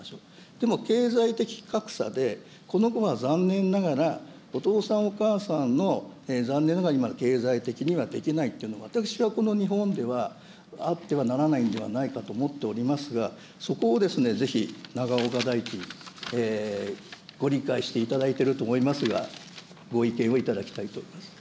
でも経済的格差で、この子は残念ながら、お父さん、お母さんの残念ながら、今の経済的にはできないっていうのは、私はこの日本ではあってはならないんではないかと思っておりますが、そこをぜひ永岡大臣、ご理解していただいてると思いますが、ご意見を頂きたいと思います。